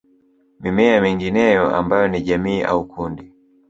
Mimea mingineyo ambayo ni jamii au kundi